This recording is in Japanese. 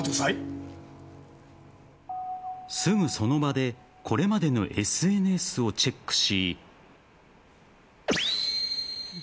すぐ、その場でこれまでのＳＮＳをチェックし。